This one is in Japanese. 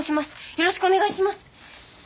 よろしくお願いします。